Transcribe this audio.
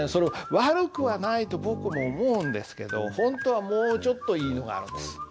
悪くはないと僕も思うんですけど本当はもうちょっといいのがあるんです。